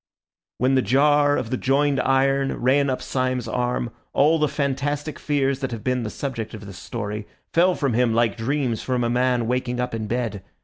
When the jar of the joined iron ran up Syme's arm, all the fantastic fears that have been the subject of this story fell from him like dreams from a man waking up in bed.